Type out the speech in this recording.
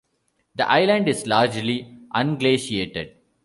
The island is largely unglaciated.